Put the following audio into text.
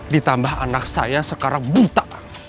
ditambah anak saya sekarang buta